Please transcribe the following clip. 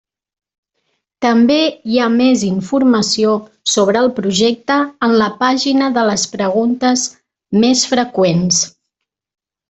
També hi ha més informació sobre el projecte en la pàgina de les preguntes més freqüents.